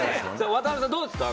渡邉さんどうですか？